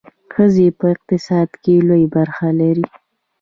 ښځې په اقتصاد کې لویه برخه لري.